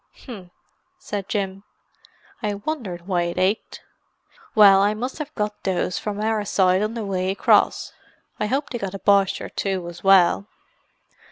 "H'm!" said Jim. "I wondered why it ached! Well I must have got those from our side on the way across. I hope they got a Boche or two as well."